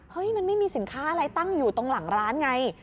มันไม่มีสินค้าอะไรตั้งอยู่ตรงหลังร้านไง